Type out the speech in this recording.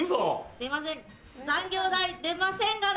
すいません残業代出ませんがな。